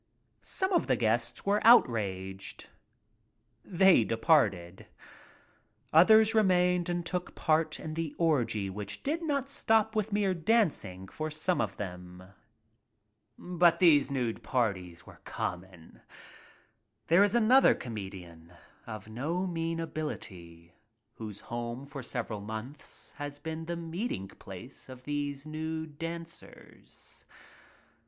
Some of the guests were outraged. They de parted. Others remained and took part in the orgy which did not stop with mere dancing for some of them. But these nude parties were common. There is another comedian ( of no mean ability, whose home for several months had been the meeting place of .*■ SODOM OUTDONE 75 these nude dancers.